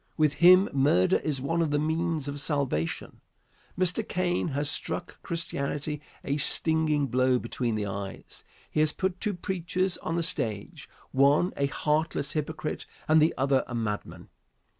With him murder is one of the means of salvation. Mr. Caine has struck Christianity a stinging blow between the eyes. He has put two preachers on the stage, one a heartless hypocrite and the other a madman.